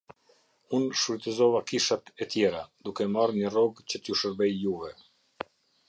Unë shfyrtësova kishat e tjera, duke marrë një rrogë që t’ju shërbej juve.